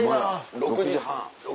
６時半。